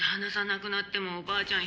亡くなってもおばあちゃん